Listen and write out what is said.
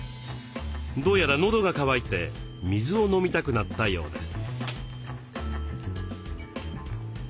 どうやら喉が渇いて水を飲みたくなったようです。